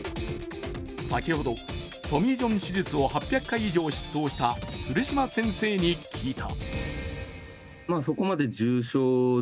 先ほど、トミー・ジョン手術を８００回以上執刀した古島先生に聞いた。